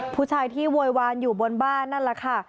ผู้ชายที่โวยวานอยู่บนบ้านนั่นแหละค่ะ